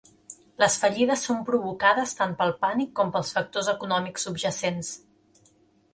Les fallides són provocades tant pel pànic com pels factors econòmics subjacents.